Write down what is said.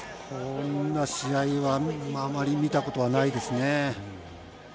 こんな試合はあまり見たことがないですね。